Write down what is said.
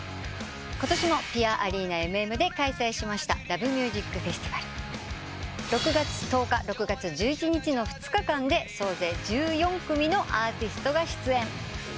ことしもぴあアリーナＭＭで開催しました「ＬＯＶＥＭＵＳＩＣＦＥＳＴＩＶＡＬ」６月１０日６月１１日の２日間で総勢１４組のアーティストが出演。